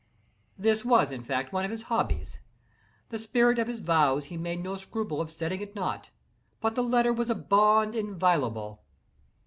This was, in fact, one of his hobbies. The spirit of his vows he made no scruple of setting at naught, but the letter was a bond inviolable.